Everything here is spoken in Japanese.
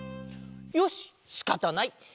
よししかたない！